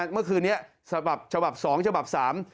เมื่อคืนนี้ฉบับ๒ฉบับ๓